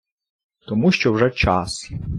тому що вже час.